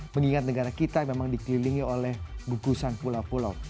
mengingat negara kita memang dikelilingi oleh gugusan pulau pulau